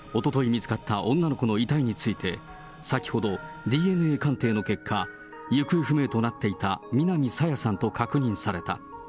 見つかった女の子の遺体について、先ほど、ＤＮＡ鑑定の結果、行方不明となっていた南朝芽さんと確認された。